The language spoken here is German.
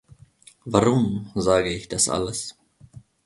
Warum sage ich das alles?